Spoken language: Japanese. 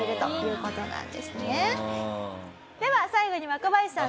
最後に若林さん